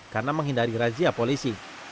karena menghindari razia polisi